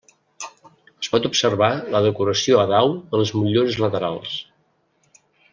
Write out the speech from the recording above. Es pot observar la decoració a dau de les motllures laterals.